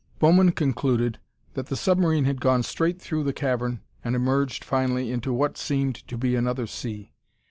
Bowman concluded that the submarine had gone straight through the cavern and emerged finally into what seemed to be another sea.